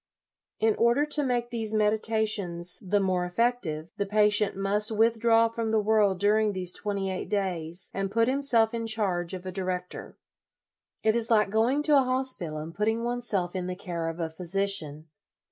In order to make these meditations the more effective, the patient must withdraw from the world during these twenty eight days, and put himself in charge of a di rector. It is like going to a hospital and putting oneself in the care of a physician.